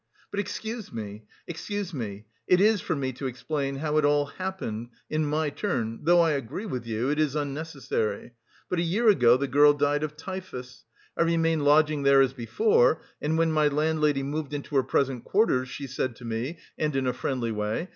"But excuse me, excuse me. It is for me to explain... how it all happened... In my turn... though I agree with you... it is unnecessary. But a year ago, the girl died of typhus. I remained lodging there as before, and when my landlady moved into her present quarters, she said to me... and in a friendly way...